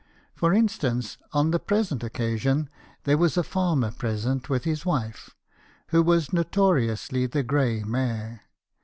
For instance , on the present occasion , there was a farmer present, with his wife, who was notoriously the grey mare.